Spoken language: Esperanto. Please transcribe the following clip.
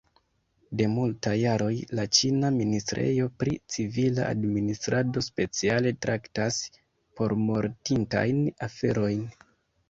De multaj jaroj la ĉina ministrejo pri civila administrado speciale traktas pormortintajn aferojn.